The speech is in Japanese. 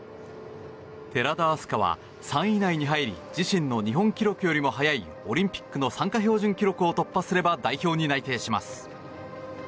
寺田明日香は３位以内に入り自身の日本記録よりも早いオリンピックの参加標準記録を突破すれば、代表に内定します。